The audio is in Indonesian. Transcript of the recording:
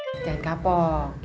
jangan kapok ya